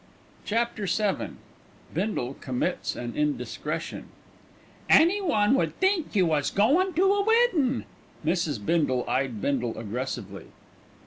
CHAPTER VII BINDLE COMMITS AN INDISCRETION "Anyone would think you was goin' to a weddin'." Mrs. Bindle eyed Bindle aggressively.